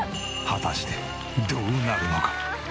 果たしてどうなるのか？